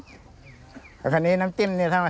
อันนี้น้ำจิ้มนี่ทำให้ที่นี่แหละครับ